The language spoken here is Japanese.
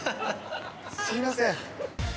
すみません。